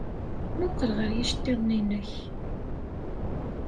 Mmuqqel ɣer yiceḍḍiḍen-nnek!